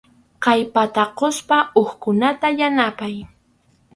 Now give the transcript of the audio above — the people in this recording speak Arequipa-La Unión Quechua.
Kallpata quspa hukkunata yanapay.